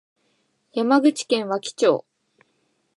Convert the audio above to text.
山口県和木町